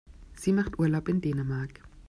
Sie macht Urlaub in Dänemark.